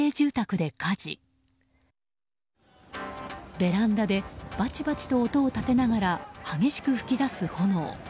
ベランダでバチバチと音を立てながら激しく噴き出す炎。